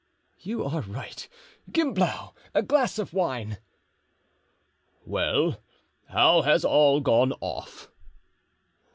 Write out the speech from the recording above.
"You are right. Gimblou, a glass of wine." "Well, how has all gone off?"